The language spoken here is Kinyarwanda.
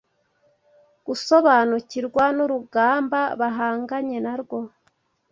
gusobanukirwa n’urugamba bahanganye na rwo